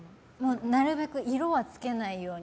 なるべく色は付けないように。